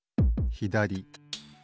ひだり。